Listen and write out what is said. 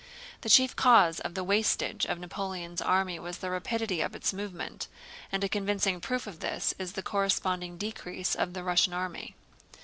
The chief cause of the wastage of Napoleon's army was the rapidity of its movement, and a convincing proof of this is the corresponding decrease of the Russian army.